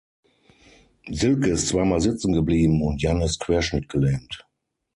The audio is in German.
Silke ist zweimal sitzen geblieben und Jan ist querschnittgelähmt.